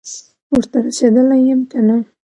ورته رسېدلی یم که نه،